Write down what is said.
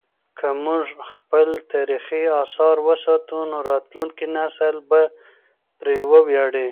که موږ خپل تاریخي اثار وساتو نو راتلونکی نسل به پرې ویاړي.